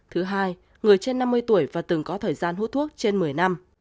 thứ hai người trên năm mươi tuổi và từng có thời gian hút thuốc trên một mươi năm